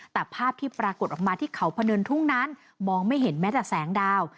แต่ภาพที่ปรากฏออกมาที่เขาพนินทุ่งนั้นมองไม่เห็นแม้แต่แสงดาว